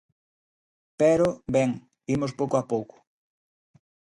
Pero, ben, imos pouco a pouco.